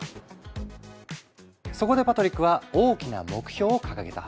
そこでパトリックは大きな目標を掲げた。